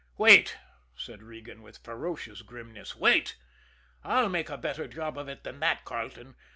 "Wait!" said Regan, with ferocious grimness. "Wait! I'll make a better job of it than that, Carleton.